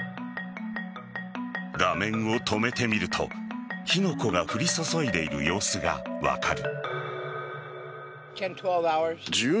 画面を止めてみると火の粉が降り注いでいる様子が分かる。